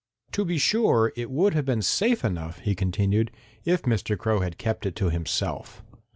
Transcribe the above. "To be sure it would have been safe enough," he continued, "if Mr. Crow had kept it to himself.